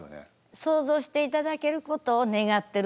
想像していただけることを願ってるんですね。